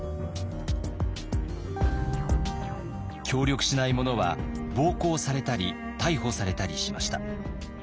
協力しない者は暴行されたり逮捕されたりしました。